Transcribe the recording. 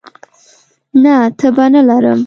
نه، تبه نه لرم